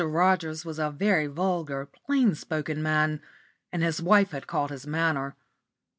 Rogers was a very vulgar, plain spoken man, and his wife had caught his manner.